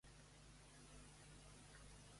Em pots dir què vol dir la paraula punxent?